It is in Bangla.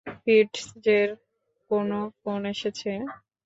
ফিটজের কোনো ফোন এসেছে?